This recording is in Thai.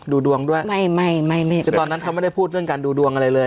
ดูดวงด้วยไม่ไม่ไม่คือตอนนั้นเขาไม่ได้พูดเรื่องการดูดวงอะไรเลย